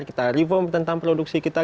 kita reform tentang produksi kita